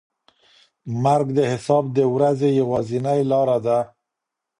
مرګ د حساب د ورځې یوازینۍ لاره ده.